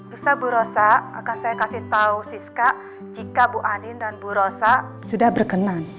bisa bu rosa akan saya kasih tahu siska jika bu andin dan bu rosa sudah berkenan